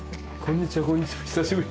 久しぶり